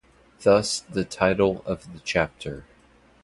Thus the title of the chapter.